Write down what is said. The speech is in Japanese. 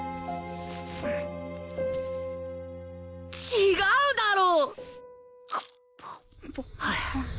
違うだろ！